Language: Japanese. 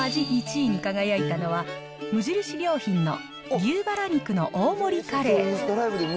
１位に輝いたのは、無印良品の牛ばら肉の大盛りカレー。